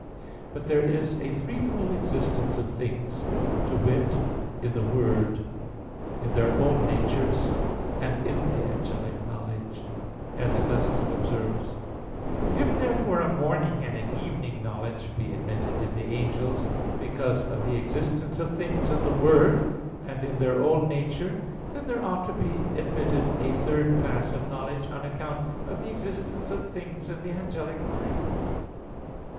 But there is a threefold existence of things: to wit, in the Word; in their own natures; and in the angelic knowledge, as Augustine observes (Gen. ad lit. ii, 8). If, therefore, a morning and an evening knowledge be admitted in the angels, because of the existence of things in the Word, and in their own nature, then there ought to be admitted a third class of knowledge, on account of the existence of things in the angelic mind.